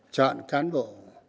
chọn cán bộ